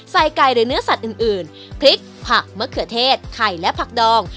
ใส่ไก่หรือเนื้อสัตว์อื่นพริกผักมะเขือเทศไข่และผักดอง